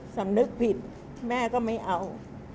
สำนึกผิดแม่ก็ไม่เอา